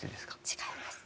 違います。